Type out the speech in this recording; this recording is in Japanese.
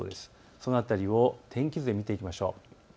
その辺りを天気図で見ていきましょう。